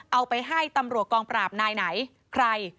เอาไปให้ตำรวจกองปราบนายไหนใคร